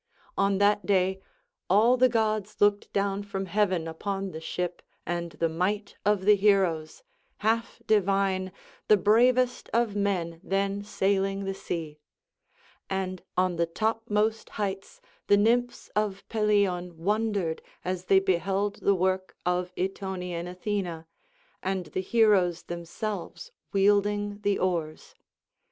On that day all the gods looked down from heaven upon the ship and the might of the heroes, half divine, the bravest of men then sailing the sea; and on the topmost heights the nymphs of Pelion wondered as they beheld the work of Itonian Athena, and the heroes themselves wielding the oars.